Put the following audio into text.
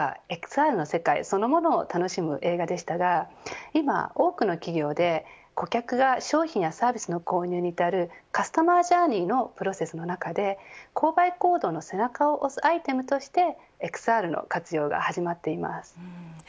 今回はＸＲそのものの世界を楽しむ映画でしたが今、多くの企業で顧客が商品やサービスの購入にいたるカスタマージャーニーのプロセスの中で購買行動の背中を押すアイテムとしてＸＲの活用が始まっています。